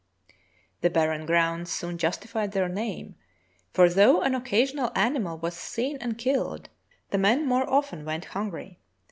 The barren grounds soon justified their name, for, though an occasional animal was seen and killed, the men more often went hungry.